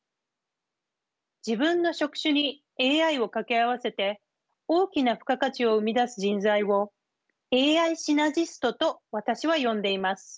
自分の職種にＡＩをかけ合わせて大きな付加価値を生み出す人材を「ＡＩシナジスト」と私は呼んでいます。